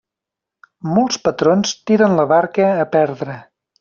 Molts patrons tiren la barca a perdre.